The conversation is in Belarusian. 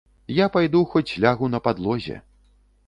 Я пайду хоць лягу на падлозе.